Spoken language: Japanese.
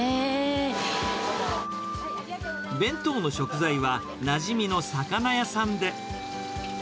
弁当の食材は、なじみの魚屋さんで。